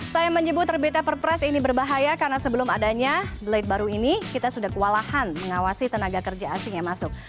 saya menyebut terbitnya perpres ini berbahaya karena sebelum adanya blade baru ini kita sudah kewalahan mengawasi tenaga kerja asing yang masuk